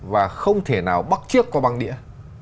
và không thể nào bắc chiếc qua băng đĩa